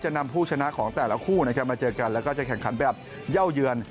นำผู้ชนะของแต่ละคู่นะครับมาเจอกันแล้วก็จะแข่งขันแบบเย่าเยือน